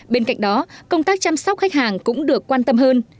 bên cạnh đó công tác chăm sóc khách hàng cũng được quan tâm hơn